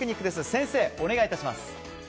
先生、お願いいたします。